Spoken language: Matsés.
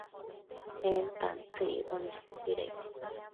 en tantsëc icboc istuidaid